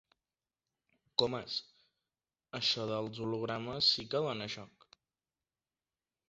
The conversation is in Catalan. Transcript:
Comas— Això dels hologrames sí que dona joc.